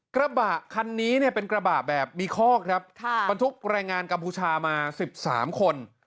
กระบะคันนี้เนี่ยเป็นกระบะแบบมีคอกครับบรรทุกแรงงานกัมพูชามา๑๓คน